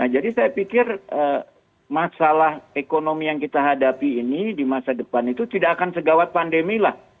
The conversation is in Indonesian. jadi saya pikir masalah ekonomi yang kita hadapi ini di masa depan itu tidak akan segawat pandemi lah